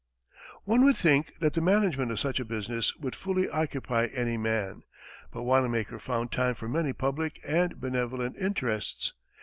One would think that the management of such a business would fully occupy any man, but Wanamaker found time for many public and benevolent interests.